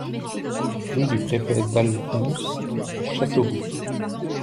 Rue du Préfet Dalphonse, Châteauroux